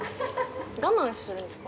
◆我慢するんですか？